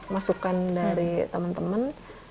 masukan dari teman teman